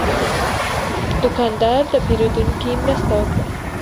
دوکاندار د پیرودونکي مرسته وکړه.